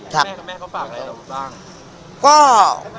แม่กับแม่เขาฝากอะไรหรือบาง